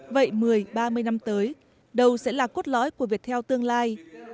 vậy một mươi ba mươi năm tới đầu sẽ là cốt lõi của việt heo tương lai